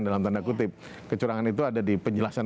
dalam tanda kutip kecurangan itu ada di penjelasan